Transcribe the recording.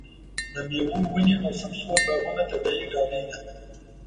د مېوو ونې او سمسور باغونه طبیعي ډالۍ ده.